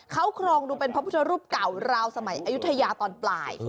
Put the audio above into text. เขาครองดูเป็นพระพุทธรูปเก่าราวสมัยอายุทยาตอนปลาย